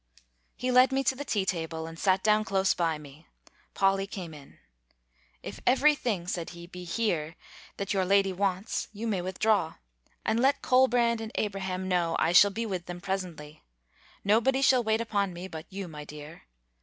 He led me to the tea table, and sat down close by me. Polly came in. "If every thing," said he, "be here, that your lady wants, you may withdraw; and let Colbrand and Abraham know I shall be with them presently. Nobody shall wait upon me but you, my dear."